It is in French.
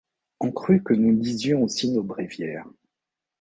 Ont cru que nous lisions aussi nos bréviaires